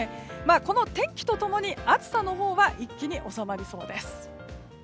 この天気と共に、暑さのほうは一気に収まりそうです。